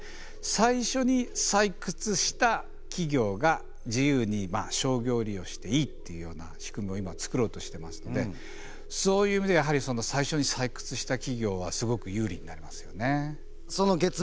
最初に採掘した企業が自由に商業利用していいっていうような仕組みを今作ろうとしてますのでそういう意味ではやはり最初に採掘した企業はすごく有利になりますよね。